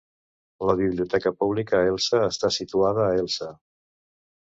La Biblioteca Pública Elsa està situada a Elsa.